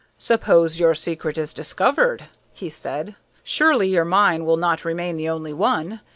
"Suppose your secret is discovered," he said. "Surely your mine will not remain the only one.